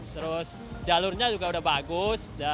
terus jalurnya juga udah bagus